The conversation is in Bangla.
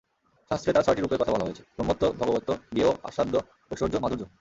শাস্ত্রে তাঁর ছয়টি রূপের কথা বলা হয়েছে—ব্রহ্মত্ব, ভগবত্ত্ব, জ্ঞেয়, আস্বাদ্য ঐশ্বর্য, মাধুর্য।